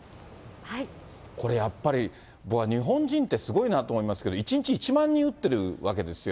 これやっぱり、僕は日本人ってすごいなと思いますけれども、１日１万人打ってるわけですよ。